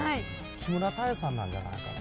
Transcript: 木村多江さんなんじゃないかな。